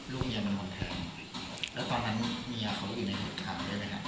ลูกเมียมันหมดแทงแล้วตอนนั้นเมียเขาอยู่ในหุดข่าวได้ไหมครับ